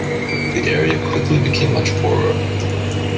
The area quickly became much poorer.